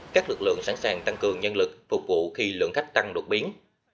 các lực lượng sẵn sàng tăng cường nhân lực phục vụ khi lượng khách tăng đột biến